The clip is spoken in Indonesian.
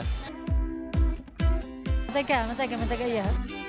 mentega mentega mentega ya